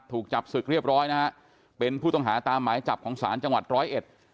ถูกจับศึกเรียบร้อยนะฮะเป็นผู้ต้องหาตามหมายจับของศาลจังหวัดร้อยเอ็ด